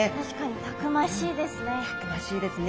たくましいですね。